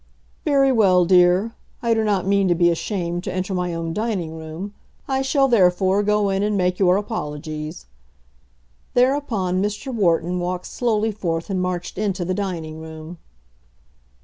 "Very well, dear. I do not mean to be ashamed to enter my own dining room. I shall, therefore, go in and make your apologies." Thereupon Mr. Wharton walked slowly forth and marched into the dining room.